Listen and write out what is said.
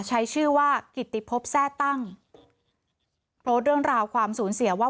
ใช้ชื่อว่ากิติพบแทร่ตั้งโพสต์เรื่องราวความสูญเสียว่า